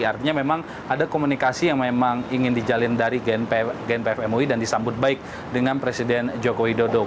artinya memang ada komunikasi yang memang ingin dijalin dari gnpf mui dan disambut baik dengan presiden joko widodo